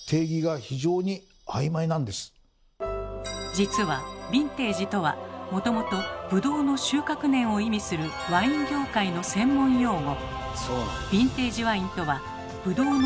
実は「ヴィンテージ」とはもともと「ブドウの収穫年」を意味するワイン業界の専門用語。